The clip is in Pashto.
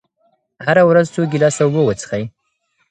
هره ورځ څو ګیلاسه اوبه وڅښئ.